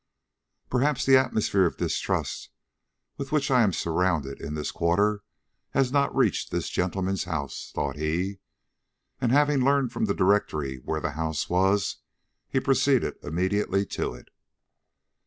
"Perhaps the atmosphere of distrust with which I am surrounded in this quarter has not reached this gentleman's house," thought he. And having learned from the directory where that house was, he proceeded immediately to it.